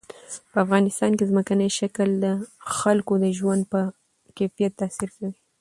په افغانستان کې ځمکنی شکل د خلکو د ژوند په کیفیت تاثیر کوي.